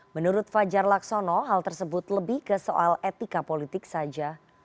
menurut fajar laksono hal tersebut lebih ke soal etika politik saja